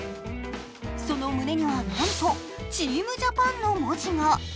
その胸には、なんと「チームジャパン」の文字が。